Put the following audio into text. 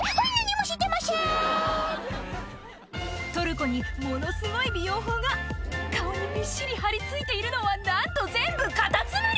トルコにものすごい美容法が顔にびっしり張り付いているのはなんと全部カタツムリ！